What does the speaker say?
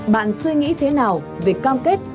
bạn suy nghĩ thế nào về cam kết